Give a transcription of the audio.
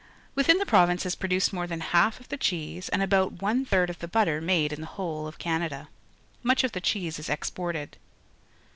Within the province is produced more than half of the cheese and about one third of the butter made in the whole of Canada. Much of the cheese is exported.